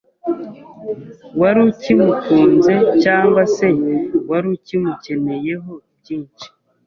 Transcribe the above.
wari ukimukunze cyangwa se wari ukimukeneyeho byinshi